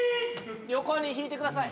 横に引いてください。